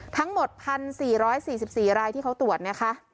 ทั้งหมด๑๔๔๔รายที่เขาตรวจนะคะ